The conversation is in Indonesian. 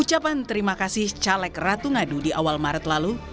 ucapan terima kasih caleg ratu ngadu di awal maret lalu